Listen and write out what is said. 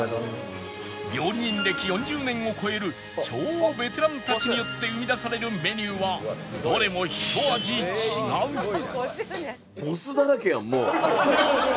料理人歴４０年を超える超ベテランたちによって生み出されるメニューはどれもひと味違うボスだらけやんもう。